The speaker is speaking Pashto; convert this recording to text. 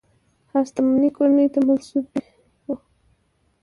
هستمنې کورنۍ ته منسوب وو.